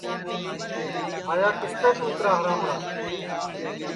آئیا کِسپ توں اِترا ہرامی